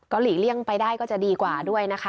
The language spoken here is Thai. หลีกเลี่ยงไปได้ก็จะดีกว่าด้วยนะคะ